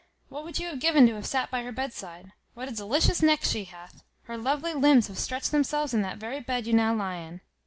What would you have given to have sat by her bed side? What a delicious neck she hath! Her lovely limbs have stretched themselves in that very bed you now lie in."